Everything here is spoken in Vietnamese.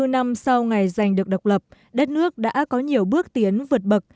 bảy mươi bốn năm sau ngày giành được độc lập đất nước đã có nhiều bước tiến vượt bậc